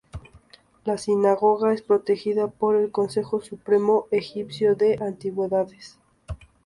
La sinagoga es protegida por el consejo supremo egipcio de antigüedades.